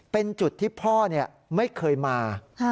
เป็นจุดที่พ่อไม่เคยมา